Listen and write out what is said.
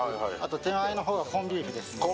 手前のほうがコンビーフです。